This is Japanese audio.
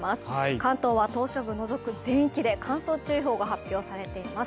関東は島しょ部を除く全域で乾燥注意報が発表されています。